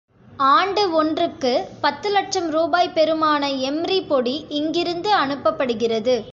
ஆண்டு ஒன்றுக்கு பத்து லட்சம் ரூபாய் பெறுமான எம்ரி பொடி இங்கிருந்து அனுப்பப்படுகிறது.